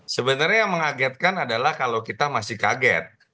sebenarnya yang mengagetkan adalah kalau kita masih kaget